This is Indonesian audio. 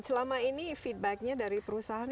selama ini feedbacknya dari perusahaan